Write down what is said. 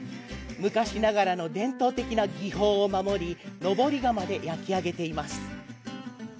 昔ながらの伝統的な技法を守り登り窯で焼き上げています。